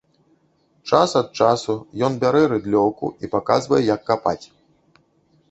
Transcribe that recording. Час ад часу ён бярэ рыдлёўку і паказвае, як капаць.